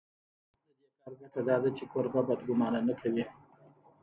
د دې کار ګټه دا ده چې کوربه بد ګومان نه کوي.